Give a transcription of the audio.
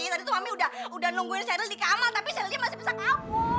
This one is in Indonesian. tadi tuh mami udah nungguin sheryl di kamar tapi sherylnya masih pisah kawur